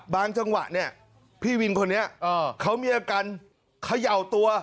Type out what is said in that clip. บางจังหวะเนี่ยพี่วินคนนี้เขาเมียกันขย่าวตัว